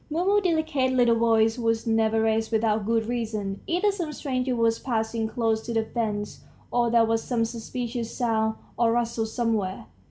Mumu's delicate little voice was never raised without good reason; either some stranger was passing close to the fence, or there was some suspicious sound or rustle somewhere.